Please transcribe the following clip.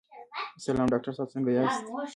سلام ډاکټر صاحب، څنګه یاست؟